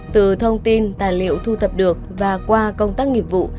từ thông tin tài liệu thu thập được và qua công tác nghiệp vụ